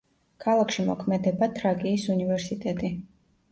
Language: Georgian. ქალაქში მოქმედება თრაკიის უნივერსიტეტი.